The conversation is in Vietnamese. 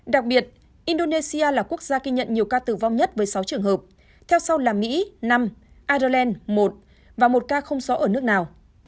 đặc biệt indonesia là quốc gia ghi nhận nhiều ca tử vong nhất với sáu trường hợp theo sau là mỹ năm aderland một và một ca không sáu ở nước nào